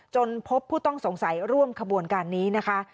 จนพบผู้ต้องสงสัยร่วมขบวนการนี้นะคะ